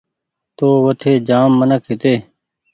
تو وٺي جآم منک هيتي